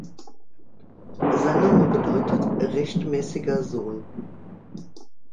Sein Name bedeutet „rechtmäßiger Sohn“.